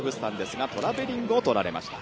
トラベリングをとられました。